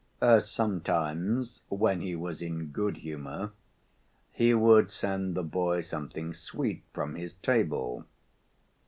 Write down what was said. Sometimes, when he was in good humor, he would send the boy something sweet from his table.